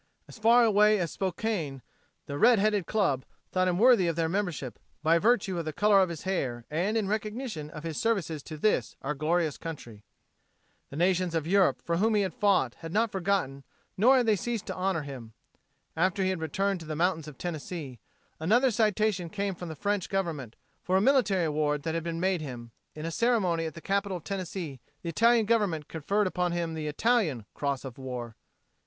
As far away as Spokane the "Red Headed Club" thought him worthy of their membership "by virtue of the color of his hair and in recognition of his services to this, our glorious country." The nations of Europe for whom he fought had not forgotten nor had they ceased to honor him. After he had returned to the mountains of Tennessee, another citation came from the French Government for a military award that had been made him, and in a ceremony at the capital of Tennessee the Italian Government conferred upon him the Italian Cross of War.